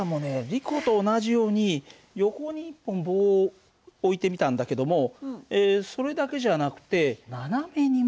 リコと同じように横に１本棒を置いてみたんだけどもそれだけじゃなくて斜めにも棒をつけたんだよね。